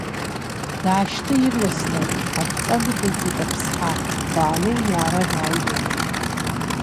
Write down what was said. Даашьҭы ирласны, адҵа ныҟаиҵеит Аԥсҳа, Баалоу иаара дааигәырӷьан.